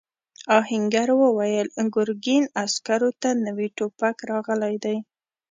آهنګر وویل ګرګین عسکرو ته نوي ټوپک راغلی دی.